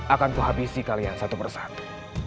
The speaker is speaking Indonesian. akan kuhabisi kalian satu persatu